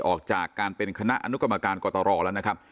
ออกจากการเป็นคณะอนุกรรมการกตรแล้วนะครับ